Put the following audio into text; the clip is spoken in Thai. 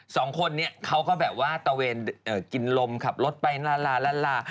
สองคนนี้เขาก็แบบว่าตะเวนกินลมขับรถไปลาลา